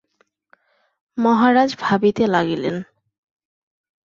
মহারাজ ভাবিতে লাগিলেন।